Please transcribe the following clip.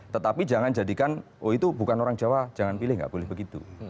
tetapi jangan jadikan oh itu bukan orang jawa jangan pilih nggak boleh begitu